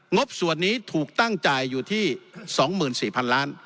บส่วนนี้ถูกตั้งจ่ายอยู่ที่๒๔๐๐๐ล้าน